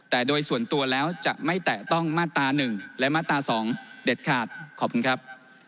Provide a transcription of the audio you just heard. แต่โดยส่วนตัวแล้วจะไม่แตะต้องมาตรา๑และมาตรา๒เด็ดขาดขอบคุณครับ